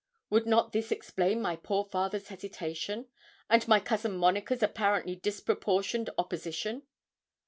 Would not this explain my poor father's hesitation, and my cousin Monica's apparently disproportioned opposition?